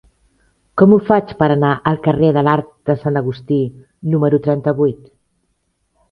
Com ho faig per anar al carrer de l'Arc de Sant Agustí número trenta-vuit?